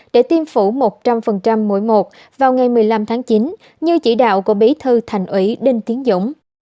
để tiêm phủ một trăm linh mỗi một vào ngày một mươi năm tháng chín như chỉ đạo của bí thư thành ủy đinh tiến dũng